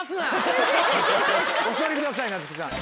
お座りください夏木さん。